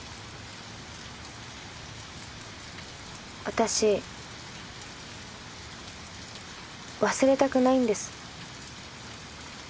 私忘れたくないんです。